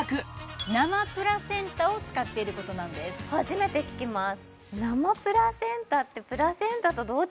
それは初めて聞きます